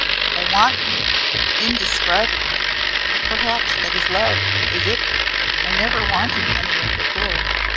I want you. Indescribably. Perhaps that is love is it? I never wanted any one before.